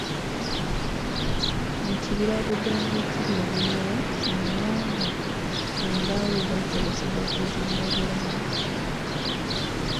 Mu kibira Budongo ekiri e Bunyoro mwe mwava embaawo ezaakozesebwa okuzimba Bulange.